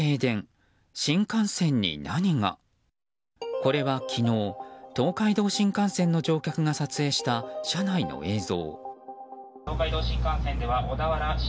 これは昨日東海道新幹線の乗客が撮影した車内の映像。